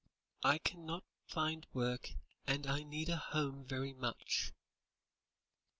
"I cannot find work, and I need a home very much."